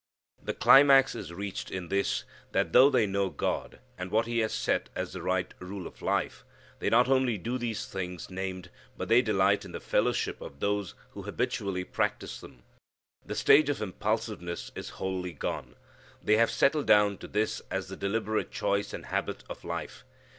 The climax is reached in this, that though they know God, and what He has set as the right rule of life, they not only do these things named, but they delight in the fellowship of those who habitually practise them. The stage of impulsiveness is wholly gone. They have settled down to this as the deliberate choice and habit of life.